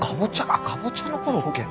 あっかぼちゃのコロッケ？